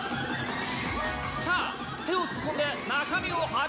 さあ手を突っ込んで中身を当ててみよ！